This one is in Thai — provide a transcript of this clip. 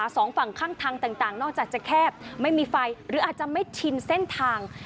สองฝั่งข้างทางต่างนอกจากจะแคบไม่มีไฟหรืออาจจะไม่ชินเส้นทาง